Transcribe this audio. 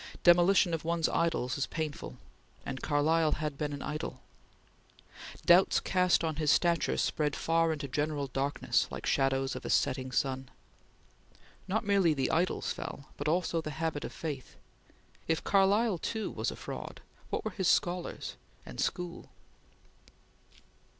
Demolition of one's idols is painful, and Carlyle had been an idol. Doubts cast on his stature spread far into general darkness like shadows of a setting sun. Not merely the idols fell, but also the habit of faith. If Carlyle, too, was a fraud, what were his scholars and school?